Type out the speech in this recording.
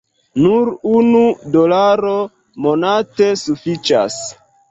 Nur unu dolaro monate sufiĉas